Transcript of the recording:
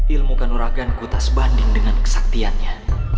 ilmukan uragan kutas banding dengan kesaktiannya